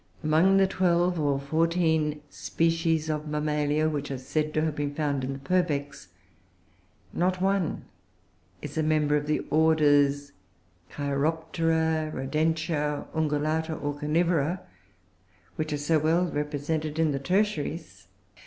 Among the twelve or fourteen species of Mammalia which are said to have been found in the Purbecks, not one is a member of the orders Cheiroptera, Rodentia, Ungulata, or Carnivora, which are so well represented in the Tertiaries.